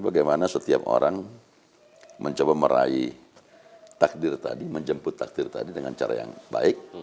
bagaimana setiap orang mencoba meraih takdir tadi menjemput takdir tadi dengan cara yang baik